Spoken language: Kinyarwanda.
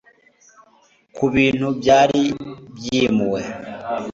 kubintu byari byimuwe